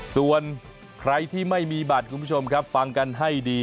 ส่วนใครที่ไม่มีบัตรคุณผู้ชมครับฟังกันให้ดี